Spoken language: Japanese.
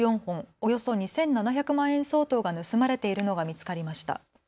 およそ２７００万円相当が盗まれているのが見つかりました。